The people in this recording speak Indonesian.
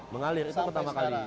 mengalir itu pertama kali